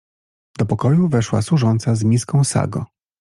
Do pokoju weszła służąca z miską sago.